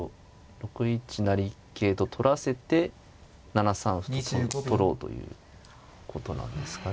６一成桂と取らせて７三歩と取ろうということなんですかね。